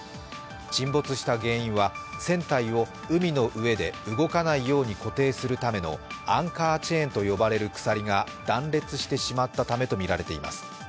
沈没した原因は船体を海の上で動かないように固定するためのアンカーチェーンと呼ばれる鎖が断裂してしまったためとみられています。